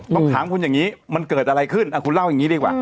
ต้องถามคุณอย่างนี้มันเกิดอะไรขึ้นคุณเล่าอย่างนี้ดีกว่า